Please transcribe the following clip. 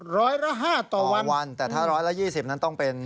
๑๐๐ละ๕ต่อวันครับคุณผู้ชมแต่ถ้า๑๐๐ละ๒๐นั่นต้องเป็น